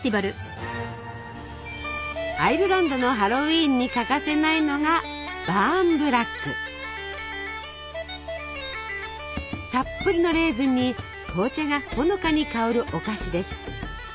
アイルランドのハロウィーンに欠かせないのがたっぷりのレーズンに紅茶がほのかに香るお菓子です。